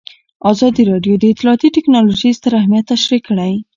ازادي راډیو د اطلاعاتی تکنالوژي ستر اهميت تشریح کړی.